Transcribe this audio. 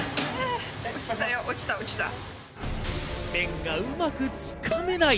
麺がうまくつかめない！